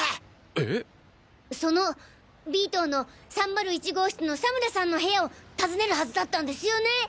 そのＢ棟の３０１号室の佐村さんの部屋を訪ねるはずだったんですよね？